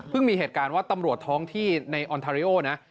มีเหตุการณ์ว่าตำรวจท้องที่ในออนทาริโอนะ